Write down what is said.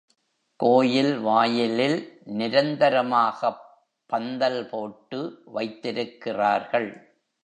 கோயில் வாயிலில், நிரந்தரமாகப் பந்தல் போட்டு வைத்திருக்கிறார்கள்.